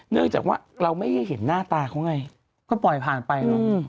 เนื่องจากว่าเราไม่ให้เห็นหน้าตาเขาไงก็ปล่อยผ่านไปเนอะ